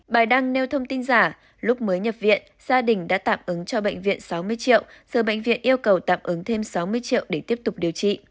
bài đăng nêu thông tin giả lúc mới nhập viện gia đình đã tạm ứng cho bệnh viện sáu mươi triệu giờ bệnh viện yêu cầu tạm ứng thêm sáu mươi triệu để tiếp tục điều trị